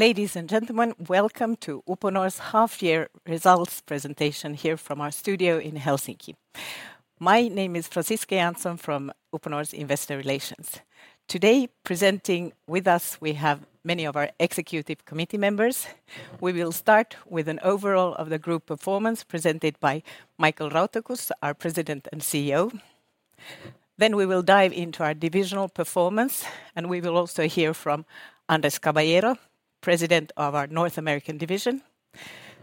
Ladies and gentlemen, welcome to Uponor's half-year results presentation here from our studio in Helsinki. My name is Franciska Janzon from Uponor's Investor Relations. Today, presenting with us, we have many of our executive committee members. We will start with an overall of the group performance presented by Michael Rauterkus, our President and CEO. We will dive into our divisional performance, and we will also hear from Andres Caballero, President of our North American Division.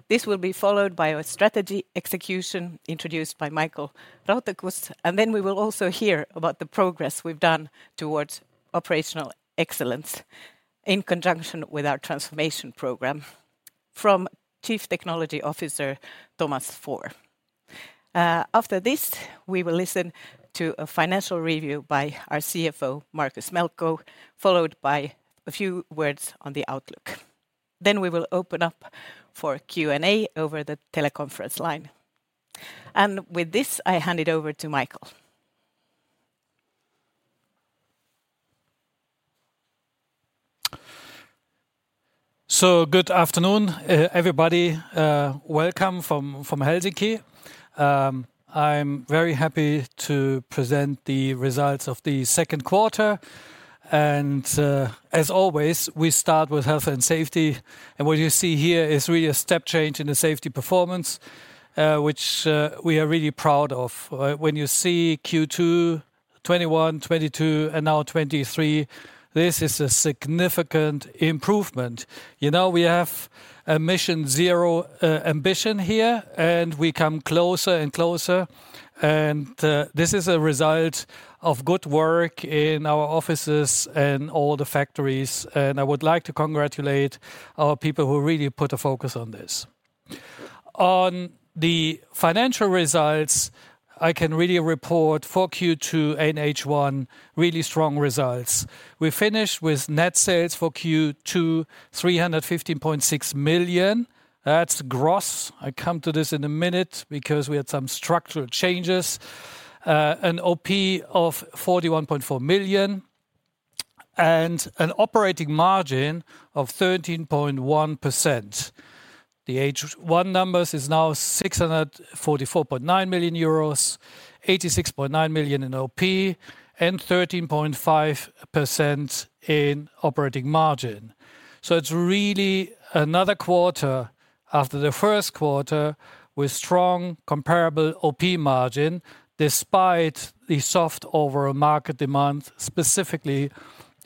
This will be followed by our strategy execution, introduced by Michael Rauterkus, and we will also hear about the progress we've done towards operational excellence in conjunction with our transformation program from Chief Technology Officer, Thomas Fuhr. After this, we will listen to a financial review by our CFO, Markus Melkko, followed by a few words on the outlook. We will open up for Q&A over the teleconference line. With this, I hand it over to Michael. Good afternoon, everybody. Welcome from Helsinki. I'm very happy to present the results of the second quarter, and as always, we start with health and safety. What you see here is really a step change in the safety performance, which we are really proud of. When you see Q2, 2021, 2022, and now 2023, this is a significant improvement. You know, we have a Mission Zero ambition here, and we come closer and closer, and this is a result of good work in our offices and all the factories, and I would like to congratulate our people who really put a focus on this. On the financial results, I can really report for Q2 and H1, really strong results. We finished with net sales for Q2, 315.6 million. That's gross. I come to this in a minute because we had some structural changes. An OP of 41.4 million, and an operating margin of 13.1%. The H1 numbers is now 644.9 million euros, 86.9 million in OP, and 13.5% in operating margin. It's really another quarter after the first quarter with strong comparable OP margin, despite the soft overall market demand, specifically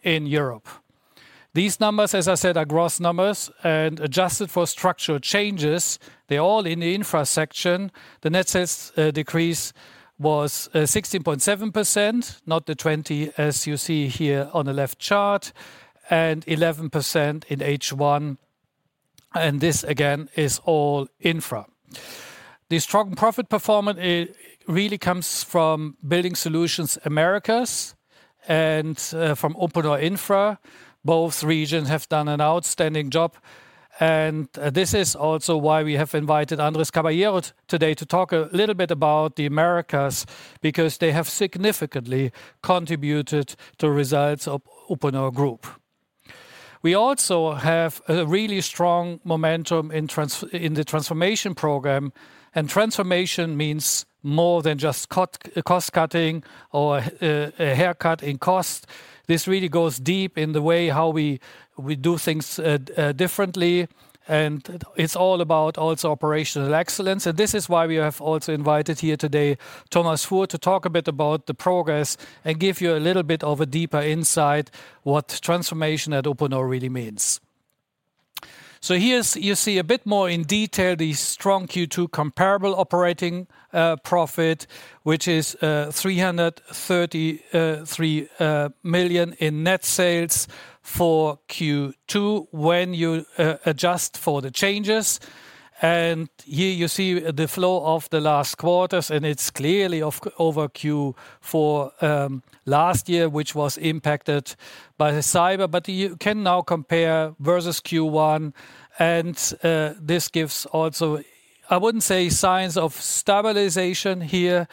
in Europe. These numbers, as I said, are gross numbers and adjusted for structural changes. They're all in the Infra section. The net sales decrease was 16.7%, not the 20, as you see here on the left chart, and 11% in H1, and this again, is all Infra. The strong profit performance, it really comes from Building Solutions-North America and from Uponor Infra. Both regions have done an outstanding job. This is also why we have invited Andres Caballero today to talk a little bit about the Americas, because they have significantly contributed to results of Uponor Group. We also have a really strong momentum in the transformation program, and transformation means more than just cost cutting or a haircut in cost. This really goes deep in the way how we do things at differently, and it's all about also operational excellence. This is why we have also invited here today, Thomas Fuhr, to talk a bit about the progress and give you a little bit of a deeper insight what transformation at Uponor really means. Here's... you see a bit more in detail, the strong Q2 comparable operating profit, which is 333 million in net sales for Q2 when you adjust for the changes. Here you see the flow of the last quarters, and it's clearly over Q4 last year, which was impacted by the cyber, but you can now compare versus Q1, this gives also, I wouldn't say signs of stabilization here,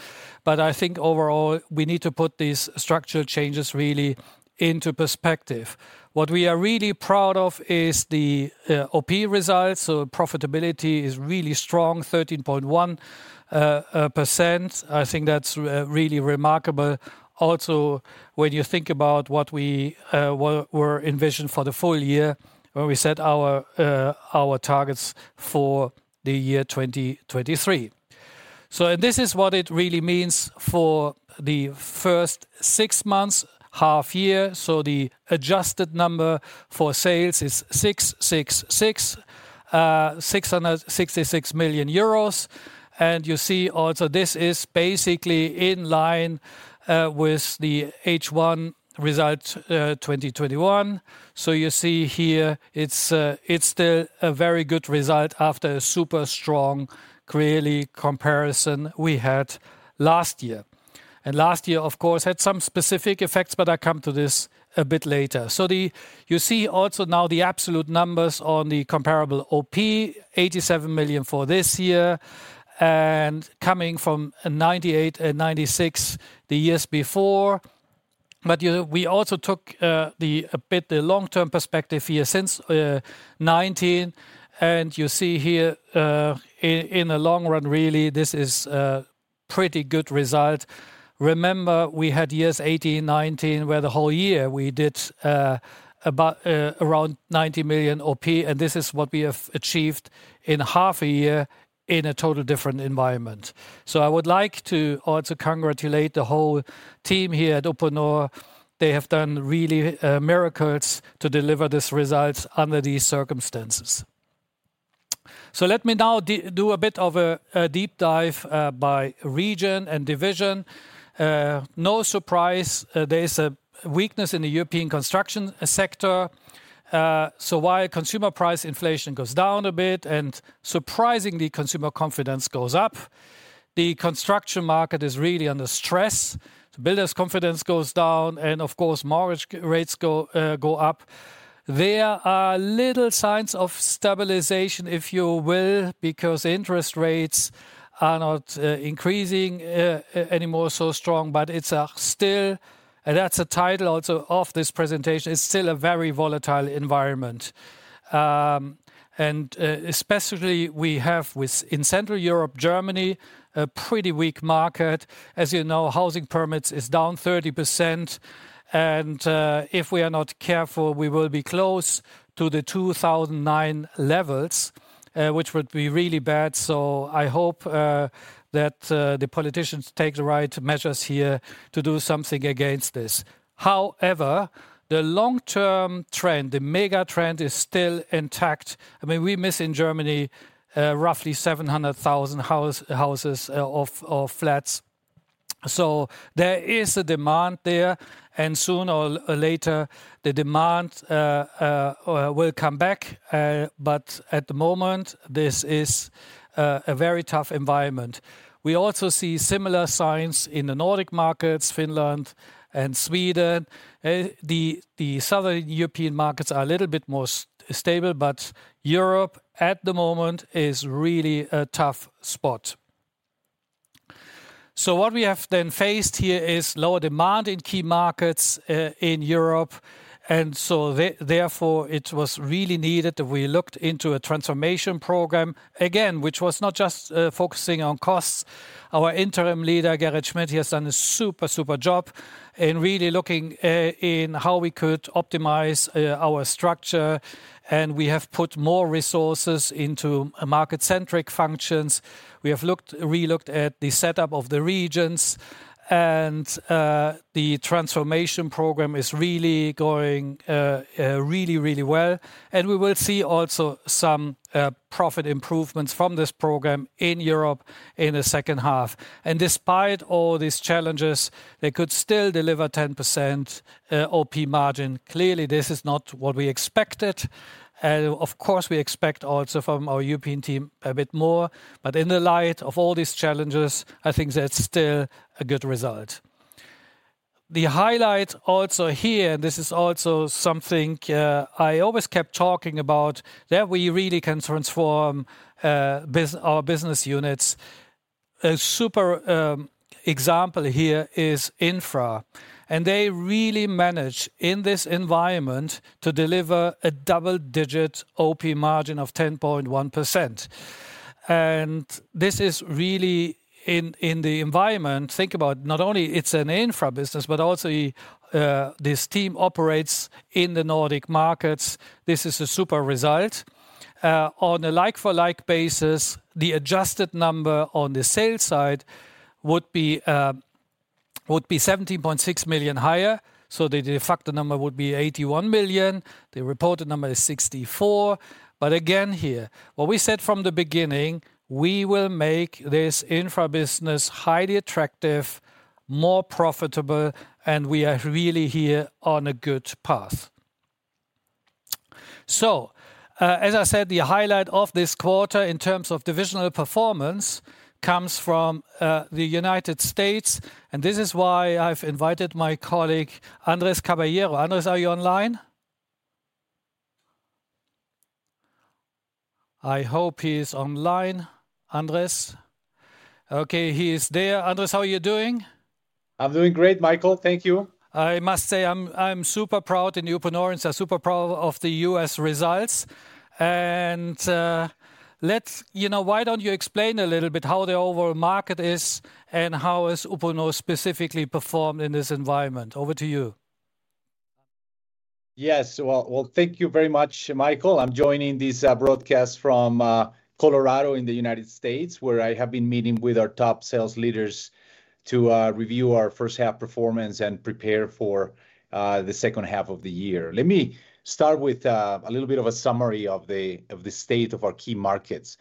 but I think overall, we need to put these structural changes really into perspective. What we are really proud of is the OP results, so profitability is really strong, 13.1%. I think that's really remarkable. Also, when you think about what we were envisioned for the full year, when we set our targets for the year 2023. This is what it really means for the first six months, half year. The adjusted number for sales is 666 million euros. You see also this is basically in line with the H1 result, 2021. You see here, it's still a very good result after a super strong clearly comparison we had last year. Last year, of course, had some specific effects, but I come to this a bit later. You see also now the absolute numbers on the comparable OP, 87 million for this year, and coming from 98 and 96 the years before. You know, we also took the, a bit, the long-term perspective here since 2019, and you see here in the long run, really, this is a pretty good result. Remember, we had years 2018, 2019, where the whole year we did about 90 million OP, and this is what we have achieved in half a year in a total different environment. I would like to also congratulate the whole team here at Uponor. They have done really miracles to deliver these results under these circumstances. Let me now do a bit of a deep dive by region and division. No surprise, there is a weakness in the European construction sector. While consumer price inflation goes down a bit and surprisingly, consumer confidence goes up, the construction market is really under stress. The builders' confidence goes down. Of course, mortgage rates go up. There are little signs of stabilization, if you will, because interest rates are not increasing anymore so strong. That's the title also of this presentation, it's still a very volatile environment. Especially we have in Central Europe, Germany, a pretty weak market. As you know, housing permits is down 30%, if we are not careful, we will be close to the 2009 levels, which would be really bad. I hope that the politicians take the right measures here to do something against this. However, the long-term trend, the mega trend, is still intact. I mean, we miss in Germany, roughly 700,000 houses of flats. There is a demand there, and sooner or later, the demand will come back. At the moment, this is a very tough environment. We also see similar signs in the Nordic markets, Finland and Sweden. The Southern European markets are a little bit more stable. Europe, at the moment, is really a tough spot. What we have then faced here is lower demand in key markets in Europe, therefore, it was really needed that we looked into a transformation program, again, which was not just focusing on costs. Our interim leader, Gerrit Schmidt, has done a super job in really looking in how we could optimize our structure. We have put more resources into market-centric functions. We have relooked at the setup of the regions. The transformation program is really going really well. We will see also some profit improvements from this program in Europe in the second half. Despite all these challenges, they could still deliver 10% OP margin. Clearly, this is not what we expected. Of course, we expect also from our European team a bit more. In the light of all these challenges, I think that's still a good result. The highlight also here, this is also something I always kept talking about, that we really can transform our business units. A super example here is Infra. They really managed, in this environment, to deliver a double-digit OP margin of 10.1%. This is really in the environment. Think about not only it's an Infra business, but also this team operates in the Nordic markets. This is a super result. On a like-for-like basis, the adjusted number on the sales side would be 17.6 million higher, the de facto number would be 81 million. The reported number is 64 million. Again, here, what we said from the beginning, we will make this Infra business highly attractive, more profitable, and we are really here on a good path. As I said, the highlight of this quarter in terms of divisional performance comes from the United States, and this is why I've invited my colleague, Andres Caballero. Andres, are you online? I hope he is online. Andres? Okay, he is there. Andres, how are you doing? I'm doing great, Michael. Thank you. I must say, I'm super proud in Uponor and super proud of the U.S. results. You know, why don't you explain a little bit how the overall market is and how has Uponor specifically performed in this environment? Over to you. Well, thank you very much, Michael. I'm joining this broadcast from Colorado in the U.S., where I have been meeting with our top sales leaders to review our first half performance and prepare for the second half of the year. Let me start with a little bit of a summary of the state of our key markets.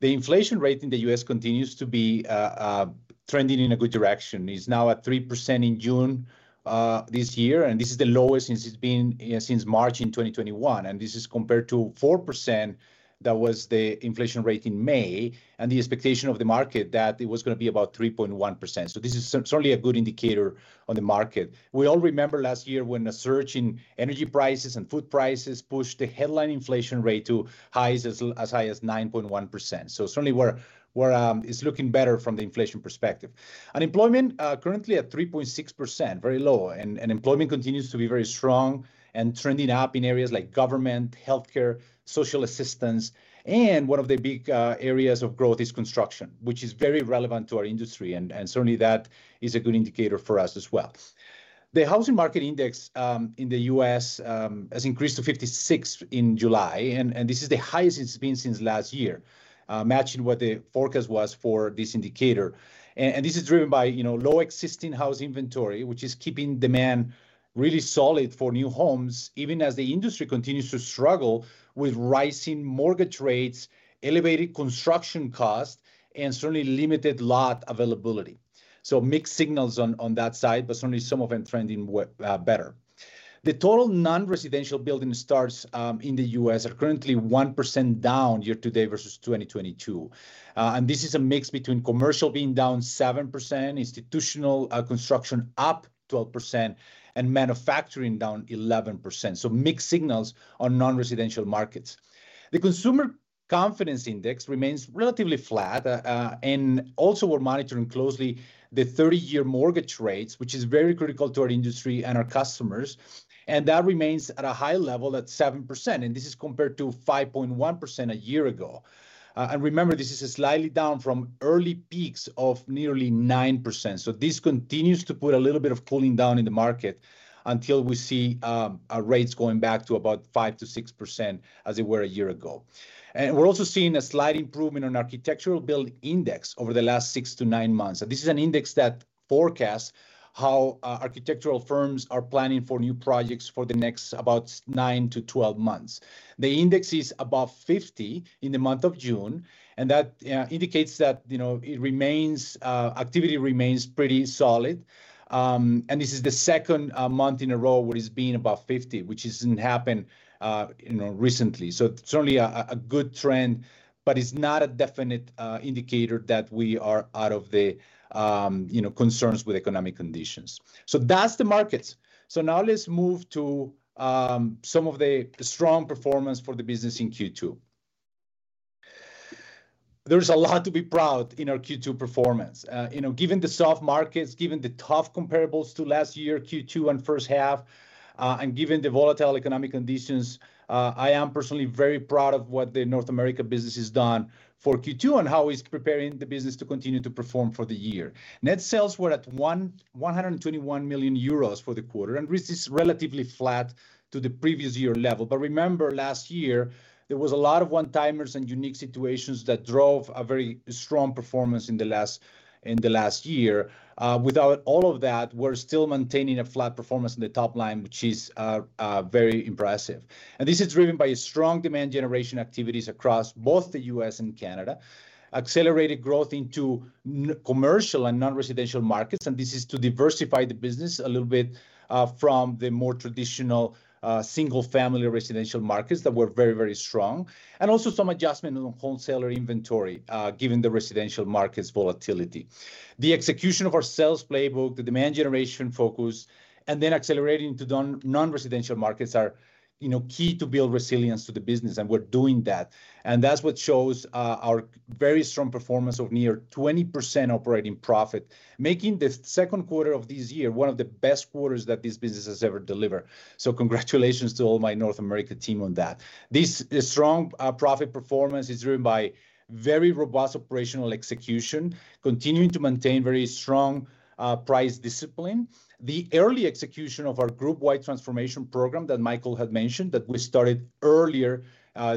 The inflation rate in the U.S. continues to be trending in a good direction. It's now at 3% in June this year, and this is the lowest since it's been since March in 2021, and this is compared to 4%, that was the inflation rate in May, and the expectation of the market that it was gonna be about 3.1%. This is certainly a good indicator on the market. We all remember last year when a surge in energy prices and food prices pushed the headline inflation rate to highs as high as 9.1%. Certainly we're looking better from the inflation perspective. Unemployment, currently at 3.6%, very low, and employment continues to be very strong and trending up in areas like government, healthcare, social assistance, and one of the big areas of growth is construction, which is very relevant to our industry, and certainly that is a good indicator for us as well. The Housing Market Index in the U.S. has increased to 56 in July, and this is the highest it's been since last year, matching what the forecast was for this indicator. This is driven by, you know, low existing house inventory, which is keeping demand really solid for new homes, even as the industry continues to struggle with rising mortgage rates, elevated construction costs, and certainly limited lot availability. Mixed signals on that side, but certainly some of them trending better. The total non-residential building starts in the U.S. are currently 1% down year-to-date versus 2022. This is a mix between commercial being down 7%, institutional construction up 12%, and manufacturing down 11%, mixed signals on non-residential markets. The Consumer Confidence Index remains relatively flat. Also we're monitoring closely the 30-year mortgage rates, which is very critical to our industry and our customers, and that remains at a high level at 7%, and this is compared to 5.1% a year ago. Remember, this is slightly down from early peaks of nearly 9%, so this continues to put a little bit of cooling down in the market until we see our rates going back to about 5%-6%, as they were a year ago. We're also seeing a slight improvement on Architecture Billings Index over the last six to nine months, and this is an index that forecasts how architectural firms are planning for new projects for the next about nine to 12 months. The index is above 50 in the month of June, and that indicates that, you know, activity remains pretty solid. This is the second month in a row where it's been above 50, which isn't happened, you know, recently. Certainly a good trend, but it's not a definite indicator that we are out of the, you know, concerns with economic conditions. That's the markets. Now let's move to some of the strong performance for the business in Q2. There's a lot to be proud in our Q2 performance. You know, given the soft markets, given the tough comparables to last year, Q2 and first half, and given the volatile economic conditions, I am personally very proud of what the North America business has done for Q2 and how it's preparing the business to continue to perform for the year. Net sales were at 121 million euros for the quarter, and this is relatively flat to the previous year level. Remember last year, there was a lot of one-timers and unique situations that drove a very strong performance in the last year. Without all of that, we're still maintaining a flat performance in the top line, which is very impressive. This is driven by strong demand generation activities across both the U.S. and Canada, accelerated growth into commercial and non-residential markets, and this is to diversify the business a little bit from the more traditional single-family residential markets that were very, very strong, and also some adjustment on wholesaler inventory given the residential market's volatility. The execution of our sales playbook, the demand generation focus, and then accelerating to non-residential markets are, you know, key to build resilience to the business, and we're doing that. That's what shows, our very strong performance of near 20% operating profit, making the second quarter of this year one of the best quarters that this business has ever delivered. Congratulations to all my North America team on that. This strong profit performance is driven by very robust operational execution, continuing to maintain very strong price discipline. The early execution of our group-wide transformation program that Michael had mentioned, that we started earlier,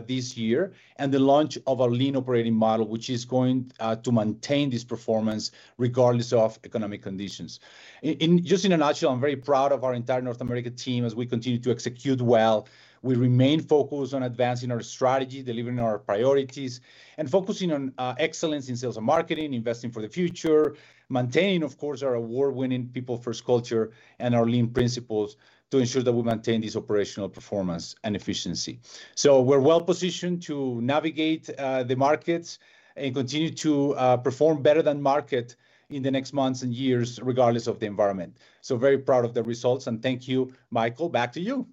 this year, and the launch of our lean operating model, which is going to maintain this performance regardless of economic conditions. Just in a nutshell, I'm very proud of our entire North America team as we continue to execute well. We remain focused on advancing our strategy, delivering our priorities, and focusing on excellence in sales and marketing, investing for the future, maintaining, of course, our award-winning people first culture, and our lean principles to ensure that we maintain this operational performance and efficiency. We're well-positioned to navigate the markets and continue to perform better than market in the next months and years, regardless of the environment. Very proud of the results, and thank you, Michael. Back to you.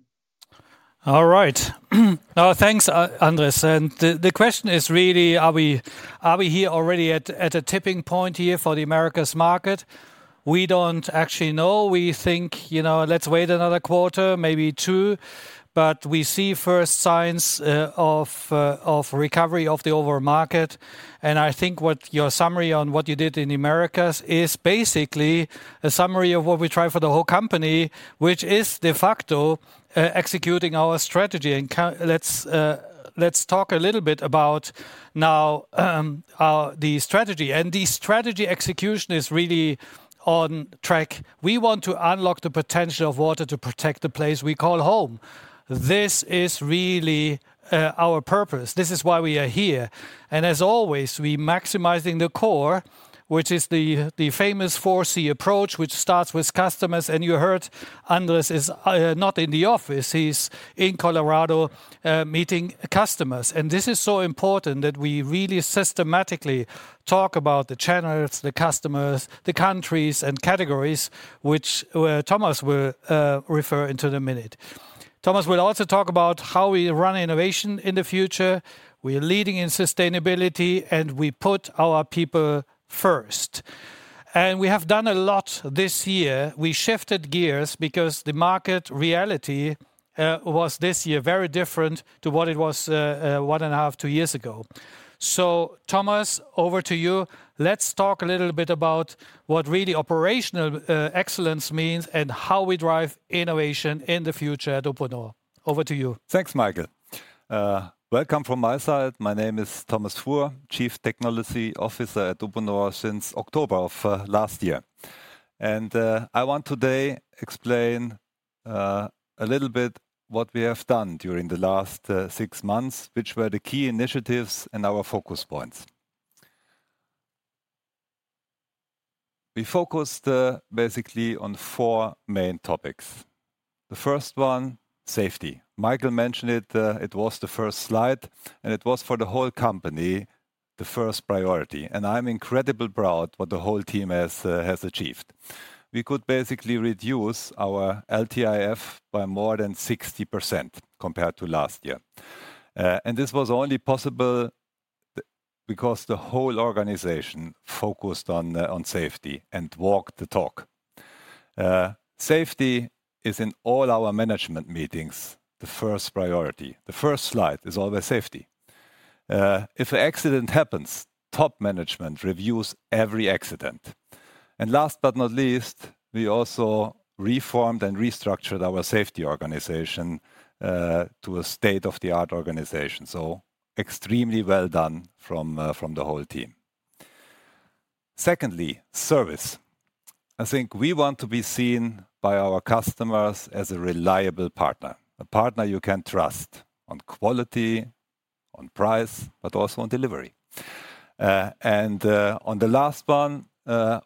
Thanks, Andres. The question is really: Are we here already at a tipping point here for the Americas market? We don't actually know. We think, you know, let's wait another quarter, maybe two. We see first signs of recovery of the overall market. I think what your summary on what you did in Americas is basically a summary of what we try for the whole company, which is de facto executing our strategy. Let's talk a little bit about now the strategy. The strategy execution is really on track. We want to unlock the potential of water to protect the place we call home. This is really our purpose. This is why we are here, as always, we maximizing the core, which is the famous 4C approach, which starts with customers, and you heard Andres is not in the office. He's in Colorado meeting customers, and this is so important that we really systematically talk about the channels, the customers, the countries, and categories, which Thomas will refer into the minute. Thomas will also talk about how we run innovation in the future, we are leading in sustainability, and we put our people first. We have done a lot this year. We shifted gears because the market reality was this year very different to what it was one and a half, two years ago. Thomas, over to you. Let's talk a little bit about what really operational excellence means, and how we drive innovation in the future at Uponor. Over to you. Thanks, Michael. Welcome from my side. My name is Thomas Fuhr, Chief Technology Officer at Uponor since October of last year. I want today explain a little bit what we have done during the last six months, which were the key initiatives and our focus points. We focused basically on four main topics. The first one, safety. Michael mentioned it was the first slide, and it was for the whole company, the first priority. I'm incredibly proud what the whole team has achieved. We could basically reduce our LTIF by more than 60% compared to last year. This was only possible because the whole organization focused on safety and walked the talk. Safety is in all our management meetings, the first priority, the first slide is always safety. If an accident happens, top management reviews every accident. Last but not least, we also reformed and restructured our safety organization to a state-of-the-art organization, extremely well done from the whole team. Secondly, service. I think we want to be seen by our customers as a reliable partner, a partner you can trust on quality, on price, but also on delivery. On the last one,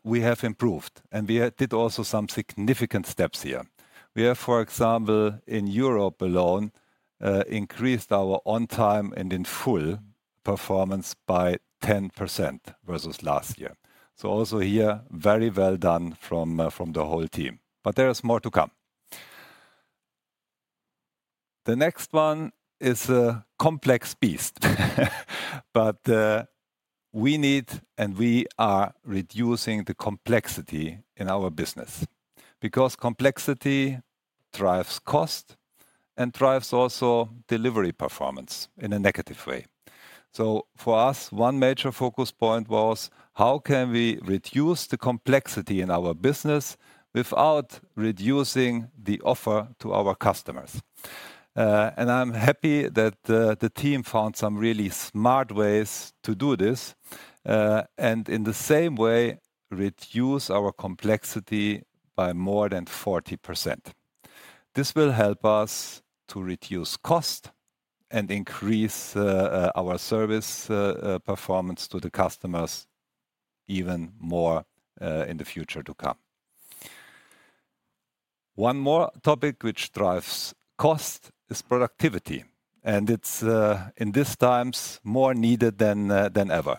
we have improved, and we did also some significant steps here. We have, for example, in Europe alone, increased our on-time in-full performance by 10% versus last year. Also here, very well done from the whole team. There is more to come. The next one is a complex beast. We are reducing the complexity in our business because complexity drives cost and drives also delivery performance in a negative way. For us, one major focus point was: how can we reduce the complexity in our business without reducing the offer to our customers? I'm happy that the team found some really smart ways to do this and in the same way, reduce our complexity by more than 40%. This will help us to reduce cost and increase our service performance to the customers even more in the future to come. One more topic which drives cost is productivity, and it's in this times, more needed than ever.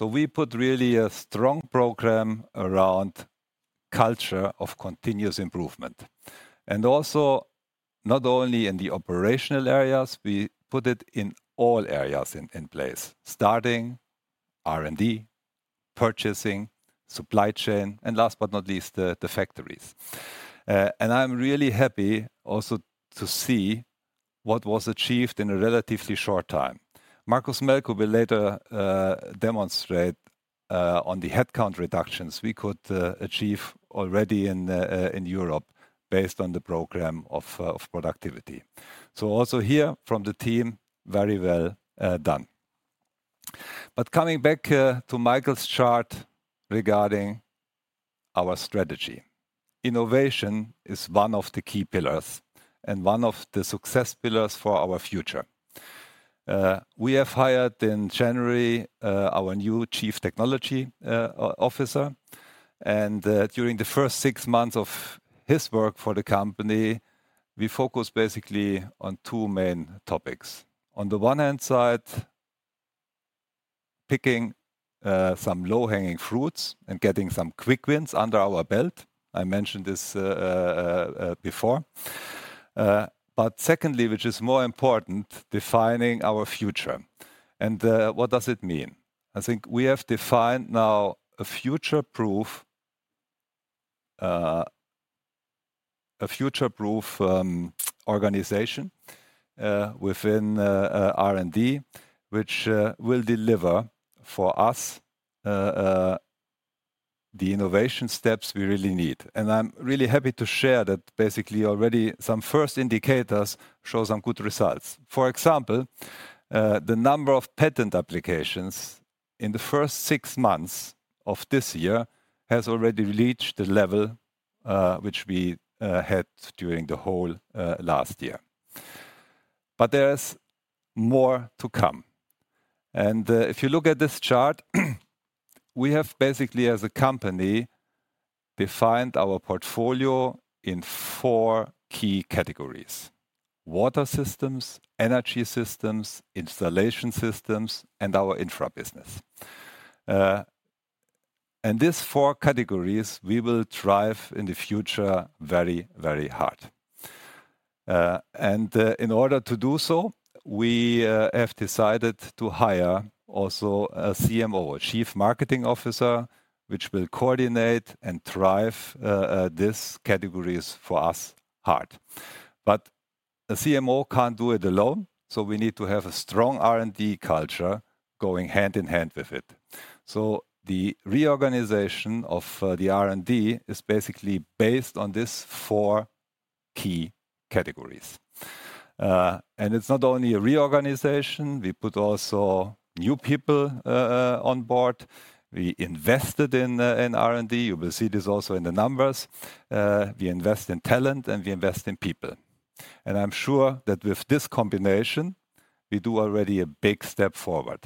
We put really a strong program around culture of continuous improvement. Also, not only in the operational areas, we put it in all areas in place, starting R&D, purchasing, supply chain, and last but not least, the factories. I'm really happy also to see what was achieved in a relatively short time. Markus Melkko will later demonstrate on the headcount reductions we could achieve already in Europe based on the program of productivity. Also here, from the team, very well done. Coming back to Michael's chart regarding our strategy. Innovation is one of the key pillars and one of the success pillars for our future. We have hired in January our new chief technology officer, and during the first six months of his work for the company, we focused basically on two main topics. On the one hand side, picking some low-hanging fruits and getting some quick wins under our belt. I mentioned this before. Secondly, which is more important, defining our future. What does it mean? I think we have defined now a future-proof organization within R&D, which will deliver for us the innovation steps we really need. I'm really happy to share that basically already some first indicators show some good results. For example, the number of patent applications in the first 6 months of this year has already reached the level which we had during the whole last year. There is more to come. If you look at this chart, we have basically, as a company, defined our portfolio in four key categories: water systems, energy systems, Installation Systems, and our Infra business. These four categories, we will drive in the future very, very hard. In order to do so, we have decided to hire also a CMO, a Chief Marketing Officer, which will coordinate and drive these categories for us hard. But a CMO can't do it alone, so we need to have a strong R&D culture going hand-in-hand with it. The reorganization of the R&D is basically based on these four key categories. And it's not only a reorganization, we put also new people on board. We invested in R&D. You will see this also in the numbers. We invest in talent, we invest in people. I'm sure that with this combination, we do already a big step forward.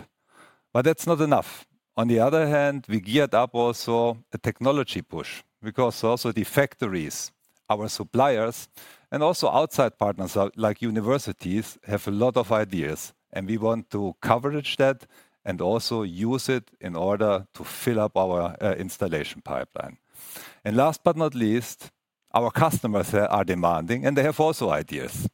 That's not enough. On the other hand, we geared up also a technology push, because also the factories, our suppliers, and also outside partners, like universities, have a lot of ideas, and we want to coverage that and also use it in order to fill up our installation pipeline. Last but not least, our customers are demanding, and they have also ideas.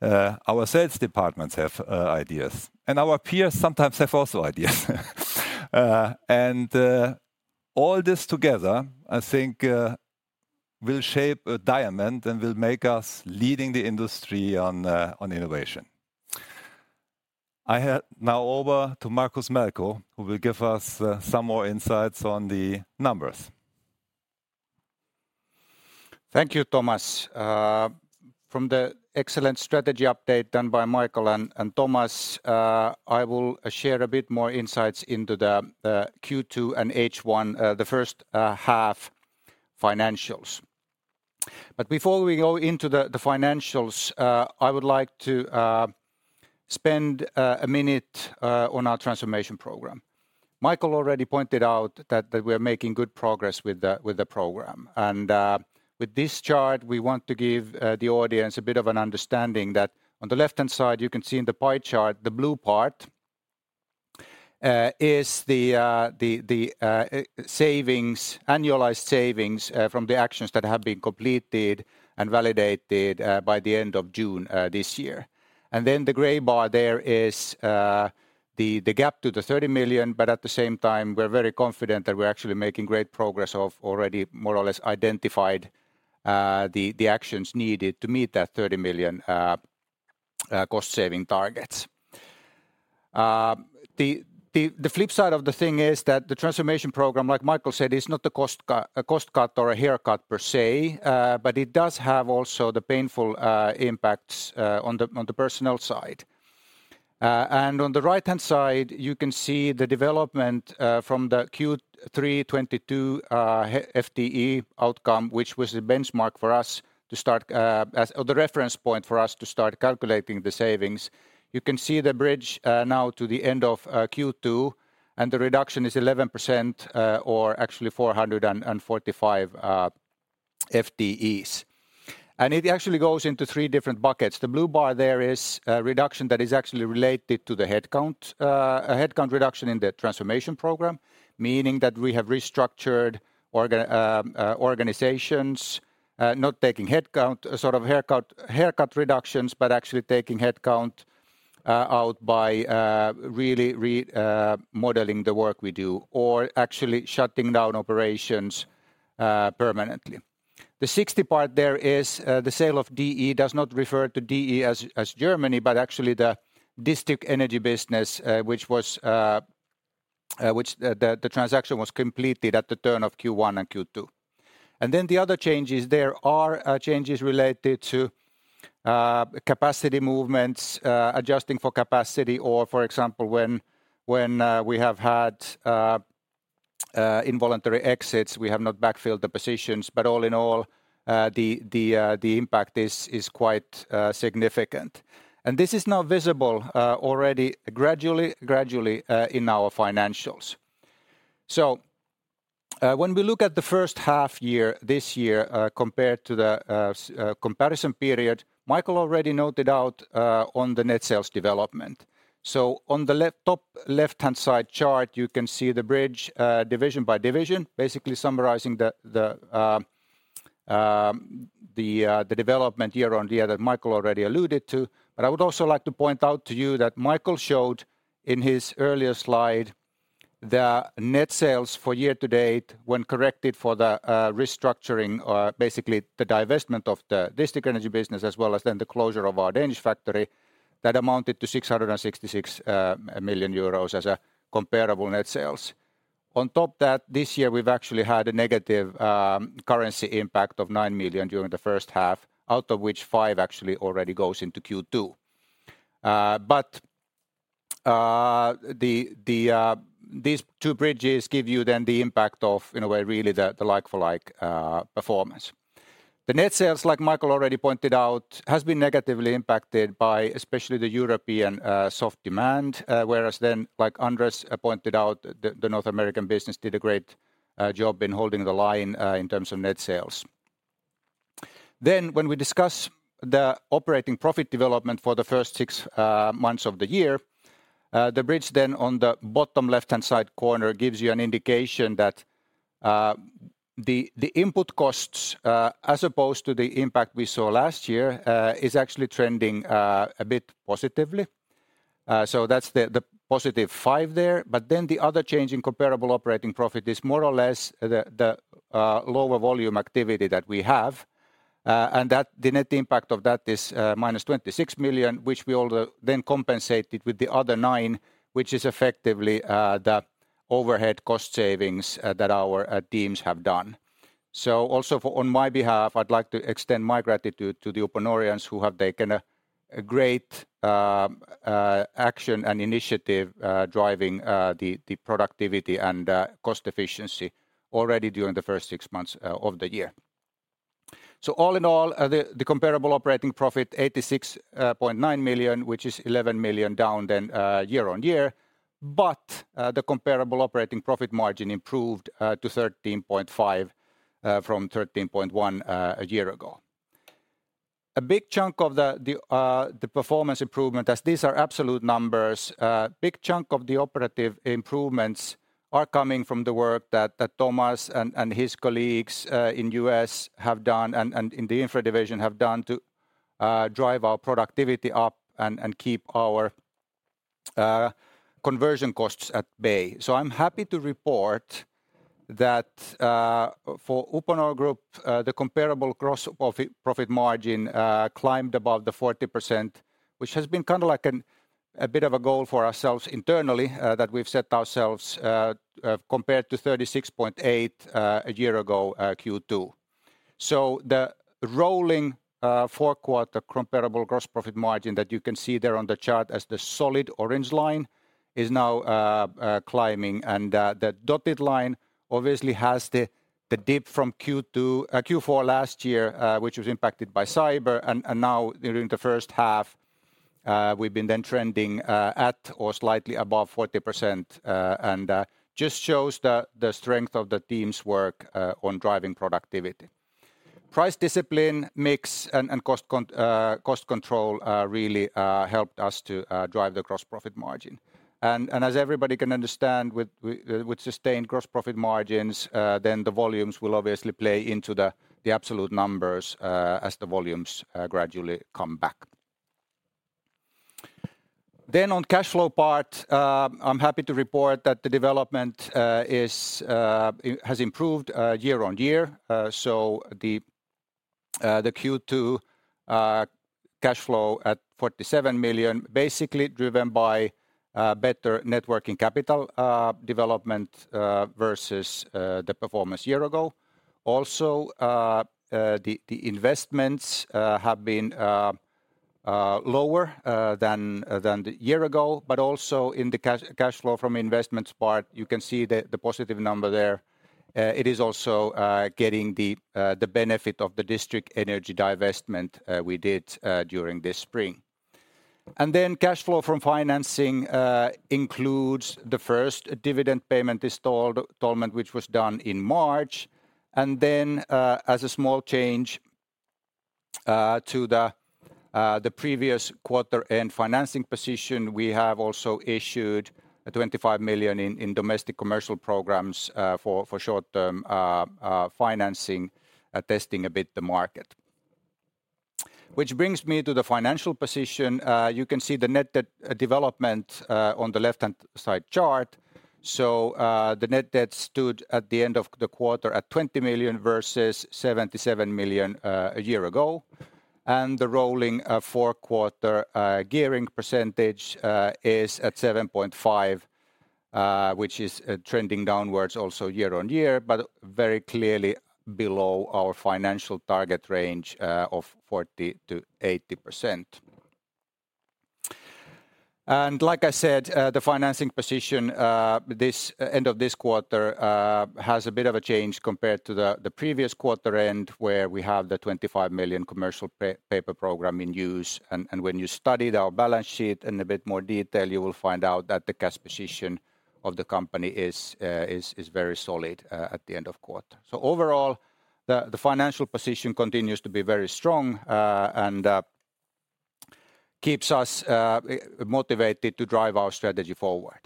Our sales departments have ideas, and our peers sometimes have also ideas. All this together, I think, will shape a diamond and will make us leading the industry on innovation. I hand now over to Markus Melkko, who will give us some more insights on the numbers. Thank you, Thomas. From the excellent strategy update done by Michael and Thomas, I will share a bit more insights into the Q2 and H1, the first half financials. Before we go into the financials, I would like to spend a minute on our transformation program. Michael already pointed out that we're making good progress with the program, and with this chart, we want to give the audience a bit of an understanding that on the left-hand side, you can see in the pie chart, the blue part, is the savings, annualized savings, from the actions that have been completed and validated by the end of June, this year. The gray bar there is the gap to 30 million, but at the same time, we're very confident that we're actually making great progress of already more or less identified the actions needed to meet that 30 million cost-saving targets. The flip side of the thing is that the transformation program, like Michael said, is not a cost cut or a haircut per se, but it does have also the painful impacts on the personnel side. On the right-hand side, you can see the development from the Q3 2022 FTE outcome, which was the benchmark for us to start or the reference point for us to start calculating the savings. You can see the bridge now to the end of Q2, the reduction is 11% or actually 445 FTEs. It actually goes into three different buckets. The blue bar there is a reduction that is actually related to the headcount, a headcount reduction in the transformation program, meaning that we have restructured organizations, not taking headcount, sort of haircut reductions, but actually taking headcount out by really remodeling the work we do, or actually shutting down operations permanently. The 60 part there is the sale of DE, does not refer to DE as Germany, but actually the district energy business, which the transaction was completed at the turn of Q1 and Q2. The other changes there are changes related to capacity movements, adjusting for capacity, or for example, when we have had involuntary exits, we have not backfilled the positions. All in all, the impact is quite significant. This is now visible already gradually in our financials. When we look at the first half-year, this year, compared to the comparison period, Michael already noted out on the net sales development. On the top left-hand side chart, you can see the bridge, division by division, basically summarizing the development year-on-year that Michael already alluded to. I would also like to point out to you that Michael showed in his earlier slide, the net sales for year to date, when corrected for the restructuring, or basically the divestment of the district energy business, as well as then the closure of our Danish factory, that amounted to 666 million euros as a comparable net sales. On top that, this year, we've actually had a negative currency impact of 9 million during the first half, out of which 5 million actually already goes into Q2. These two bridges give you then the impact of, in a way, really the like-for-like performance. The net sales, like Michael already pointed out, has been negatively impacted by especially the European soft demand. Whereas, like Andres pointed out, the North American business did a great job in holding the line in terms of net sales. When we discuss the operating profit development for the first 6 months of the year, the bridge then on the bottom left-hand side corner gives you an indication that the input costs, as opposed to the impact we saw last year, is actually trending a bit positively. That's the positive 5 million there. The other change in comparable operating profit is more or less the lower volume activity that we have. The net impact of that is minus 26 million, which we then compensated with the other 9 million, which is effectively the overhead cost savings that our teams have done. Also on my behalf, I'd like to extend my gratitude to the Uponorians who have taken a great action and initiative, driving the productivity and cost efficiency already during the first six months of the year. All in all, the comparable operating profit, 86.9 million, which is 11 million down than year-on-year. The comparable operating profit margin improved to 13.5% from 13.1% a year ago. A big chunk of the performance improvement, as these are absolute numbers, big chunk of the operative improvements are coming from the work that Thomas and his colleagues in U.S. have done and in the Infra division have done to drive our productivity up and keep our conversion costs at bay. I'm happy to report that for Uponor Group the comparable gross profit margin climbed above 40%, which has been kind of like an, a bit of a goal for ourselves internally that we've set ourselves compared to 36.8 a year ago Q2. The rolling four-quarter comparable gross profit margin that you can see there on the chart as the solid orange line, is now climbing. The dotted line obviously has the dip from Q4 last year, which was impacted by cyber. Now during the first half, we've been then trending at or slightly above 40%. Just shows the strength of the team's work on driving productivity. Price discipline, mix, and cost control really helped us to drive the gross profit margin. As everybody can understand, with sustained gross profit margins, the volumes will obviously play into the absolute numbers as the volumes gradually come back. On cash flow part, I'm happy to report that the development has improved year-on-year. The Q2 cash flow at 47 million, basically driven by better net working capital development versus the performance year ago. Also, the investments have been lower than the year ago, but also in the cash flow from investments part, you can see the positive number there. It is also getting the benefit of the district energy divestment we did during this spring. Cash flow from financing includes the first dividend payment installment, which was done in March. As a small change to the previous quarter end financing position, we have also issued 25 million in domestic commercial programs for short-term financing, testing a bit the market. Brings me to the financial position. You can see the net debt development on the left-hand side chart. The net debt stood at the end of the quarter at 20 million, versus 77 million a year ago. The rolling four-quarter gearing percentage is at 7.5%, which is trending downwards also year-on-year, but very clearly below our financial target range of 40%-80%. Like I said, the financing position this end of this quarter has a bit of a change compared to the previous quarter-end, where we have the 25 million commercial paper program in use. When you study our balance sheet in a bit more detail, you will find out that the cash position of the company is very solid at the end of quarter. Overall, the financial position continues to be very strong and keeps us motivated to drive our strategy forward.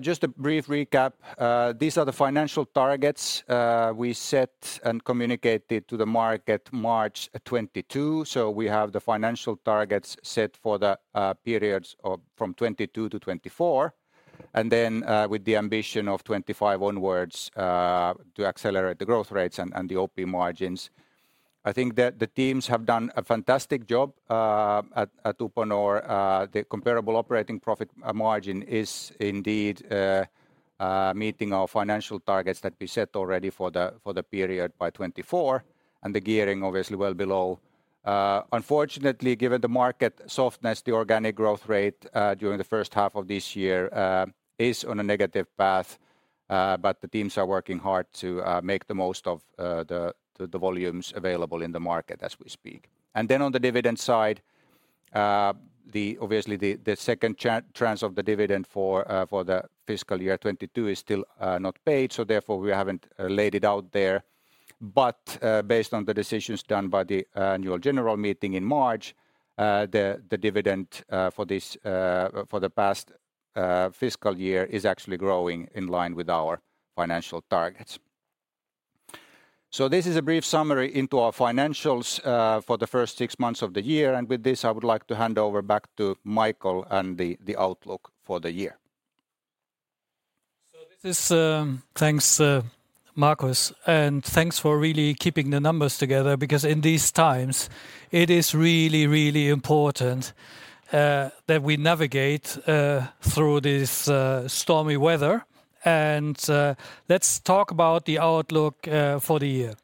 Just a brief recap. These are the financial targets we set and communicated to the market March 2022. We have the financial targets set for the periods of from 2022 to 2024, and then with the ambition of 2025 onwards to accelerate the growth rates and the OP margins. I think the teams have done a fantastic job at Uponor. The comparable operating profit margin is indeed meeting our financial targets that we set already for the period by 2024, and the gearing obviously well below. Unfortunately, given the market softness, the organic growth rate during the first half of this year is on a negative path. The teams are working hard to make the most of the volumes available in the market as we speak. On the dividend side, obviously, the second tranche of the dividend for the fiscal year 2022 is still not paid, so therefore we haven't laid it out there. Based on the decisions done by the annual general meeting in March, the dividend for this, for the past, fiscal year is actually growing in line with our financial targets. This is a brief summary into our financials for the first 6 months of the year. With this, I would like to hand over back to Michael and the outlook for the year. Thanks, Markus, and thanks for really keeping the numbers together, because in these times it is really, really important that we navigate through this stormy weather. Let's talk about the outlook for the year.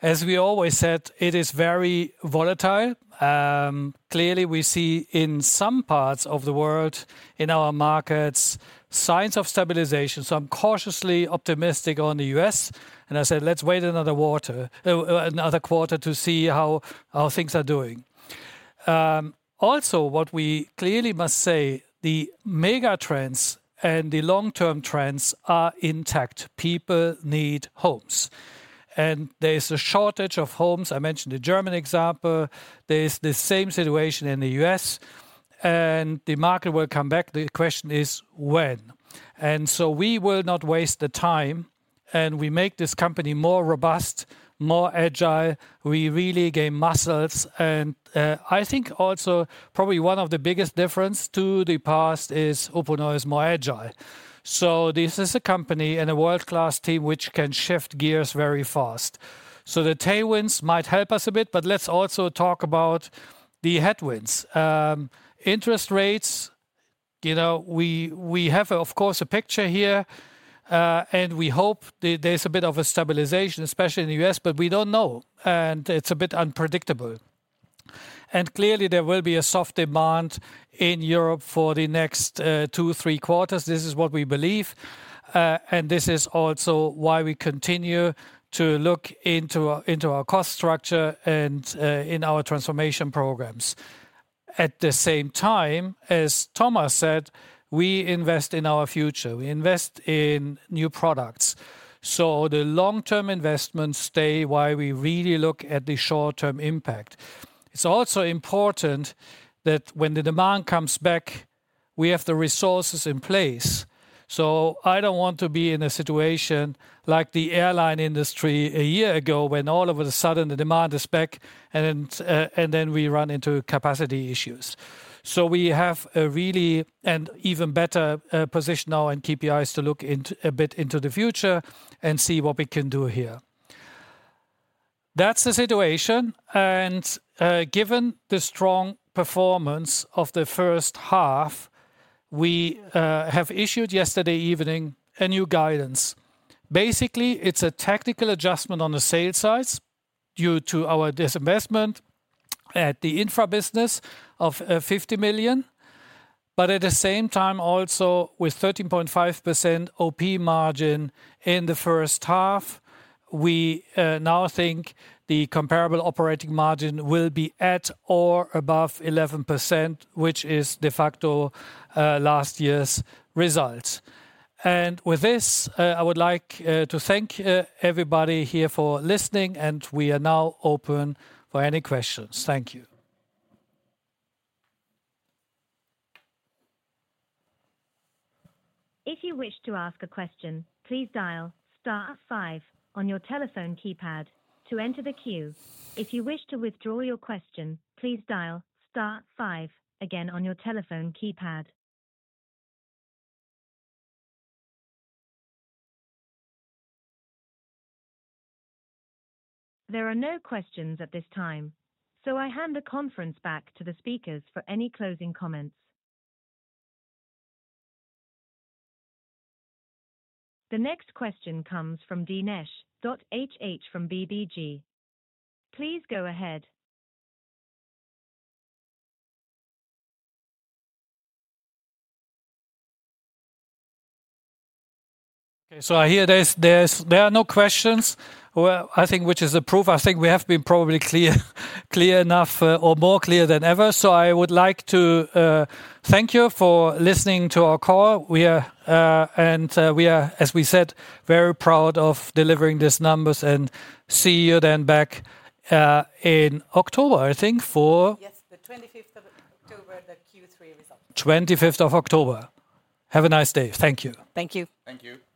As we always said, it is very volatile. Clearly, we see in some parts of the world, in our markets, signs of stabilization. I'm cautiously optimistic on the U.S., and I said, let's wait another quarter to see how things are doing. Also, what we clearly must say, the mega trends and the long-term trends are intact. People need homes, and there is a shortage of homes. I mentioned the German example. There is the same situation in the U.S., and the market will come back. The question is, when? We will not waste the time, and we make this company more robust, more agile. We really gain muscles, and I think also probably one of the biggest difference to the past is Uponor is more agile. This is a company and a world-class team which can shift gears very fast. The tailwinds might help us a bit, but let's also talk about the headwinds. Interest rates, you know, we have, of course, a picture here, and we hope there's a bit of a stabilization, especially in the U.S., but we don't know, and it's a bit unpredictable. Clearly, there will be a soft demand in Europe for the next two, three quarters. This is what we believe, and this is also why we continue to look into our, into our cost structure and, in our transformation programs. At the same time, as Thomas said, we invest in our future. We invest in new products. The long-term investments stay while we really look at the short-term impact. It's also important that when the demand comes back, we have the resources in place. I don't want to be in a situation like the airline industry a year ago, when all of a sudden the demand is back, and then, and then we run into capacity issues. We have a really and even better position now and KPIs to look into a bit into the future and see what we can do here. That's the situation, given the strong performance of the first half, we have issued yesterday evening a new guidance. Basically, it's a tactical adjustment on the sales side due to our disinvestment at the Infra business of 50 million. At the same time, also with 13.5% OP margin in the first half, we now think the comparable operating margin will be at or above 11%, which is de facto last year's results. With this, I would like to thank everybody here for listening, and we are now open for any questions. Thank you. If you wish to ask a question, please dial star five on your telephone keypad to enter the queue. If you wish to withdraw your question, please dial star five again on your telephone keypad. There are no questions at this time. I hand the conference back to the speakers for any closing comments. The next question comes from Dinesh.HH from BBG. Please go ahead. I hear there are no questions. I think, which is a proof, I think we have been probably clear enough or more clear than ever. I would like to thank you for listening to our call. We are, and we are, as we said, very proud of delivering these numbers, and see you then back in October, I think, for- Yes, the October 25th, the Q3 results. October 25th. Have a nice day. Thank you. Thank you. Thank you.